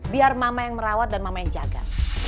biar mama yang merawat dan mama yang jaga